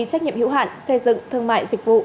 trách nhiệm hiệu hạn xây dựng thương mại dịch vụ